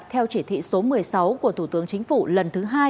theo chỉ thị số một mươi sáu của thủ tướng chính phủ lần thứ hai